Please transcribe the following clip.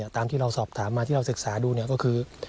ตามที่เราสอบถามมาที่เราศึกษาดูก็คือ